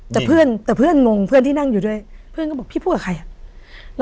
แต่เพื่อนที่นั่งอยู่ด้วยเพื่อนก็บอกว่าพี่พูดกับใครอ่ะ